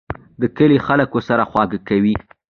د کلي خلک ورسره خواږه کوي.